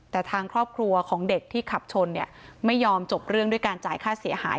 แต่ทางครอบครัวของเด็กที่ขับชนเนี่ยไม่ยอมจบเรื่องด้วยการจ่ายค่าเสียหาย